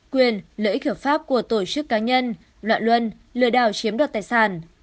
quyền lợi ích hiểu pháp của tổ chức cá nhân loạn luân lừa đảo chiếm đoạt tài sản